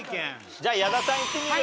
じゃあ矢田さんいってみる？